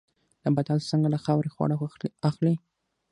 نباتات څنګه له خاورې خواړه اخلي؟